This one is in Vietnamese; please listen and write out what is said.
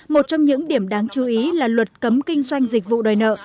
một trong những điểm đáng chú ý là luật cấm kinh doanh dịch vụ đòi nợ